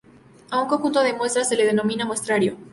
A un conjunto de muestras se le denomina muestrario.